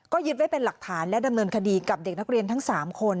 ก็ยึดไว้เป็นหลักฐานและดำเนินคดีกับเด็กนักเรียนทั้ง๓คน